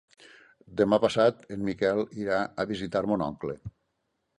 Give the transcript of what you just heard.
Demà passat en Miquel irà a visitar mon oncle.